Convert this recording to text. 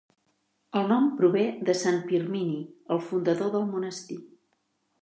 El nom prové de Sant Pirmini, el fundador del monestir.